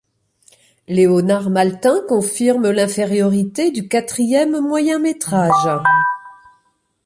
Leonard Maltin confirme l'infériorité du quatrième moyen métrage.